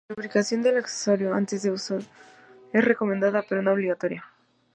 La lubricación del accesorio antes de su uso es recomendada, pero no obligatoria.